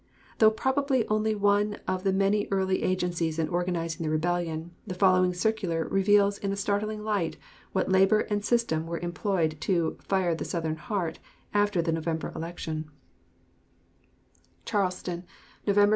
Though probably only one of the many early agencies in organizing the rebellion, the following circular reveals in a startling light what labor and system were employed to "fire the Southern heart" after the November election: [Illustration: GENERAL HENRY A.